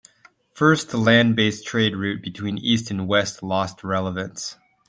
First, the land based trade route between east and west lost relevance.